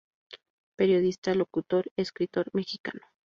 Periodista, locutor y escritor mexicano.